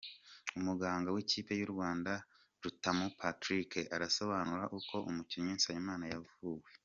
Umuganga w’ikipe y’u Rwanda Rutamu Patrick arasobanura uko umukinnyi Nsabimana yavuwe.